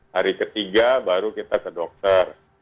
hari ketiga baru kita ke dokter